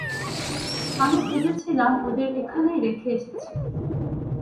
আমি ভেবেছিলাম ওদের এখানেই রেখে এসেছি।